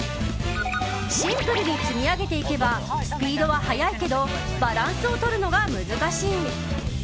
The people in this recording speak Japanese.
シンプルに積み上げていけばスピードは速いけどバランスを取るのが難しい。